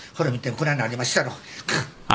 こないなりまっしゃろ。